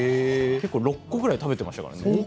結構６個ぐらい食べてましたからね。